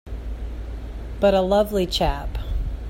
But a lovely chap!